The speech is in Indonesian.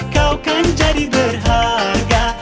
kau kan jadi berharga